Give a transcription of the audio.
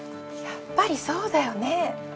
やっぱりそうだよね。